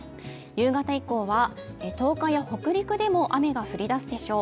夕方以降は東海や北陸でも雨が降りだすでしょう。